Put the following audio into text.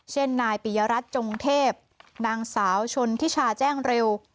นายปิยรัฐจงเทพนางสาวชนทิชาแจ้งเร็ว